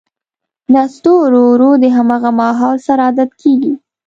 نستوه ورو ـ ورو د همغه ماحول سره عادت کېږي.